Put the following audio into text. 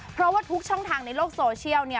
เพราะว่าทุกช่องทางในโลกโซเชียล